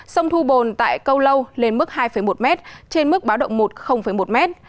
sông thu bồn tại câu lâu lên mức hai một mét trên mức báo động một một mét